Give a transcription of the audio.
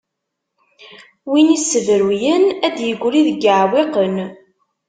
Win issebruyen ad d-igri deg iɛwiqen.